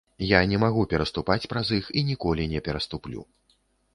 Я не магу пераступаць праз іх і ніколі не пераступлю.